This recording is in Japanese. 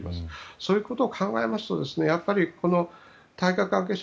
そういうことを考えますとやっぱり大会関係者